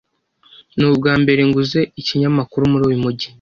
Ni ubwambere nguze ikinyamakuru muri uyu mujyi.